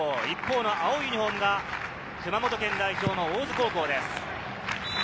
一方の青いユニホームが熊本県代表の大津高校です。